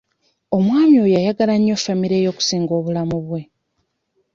Omwami oyo ayagala nnyo famire ye okusinga obulamu bwe.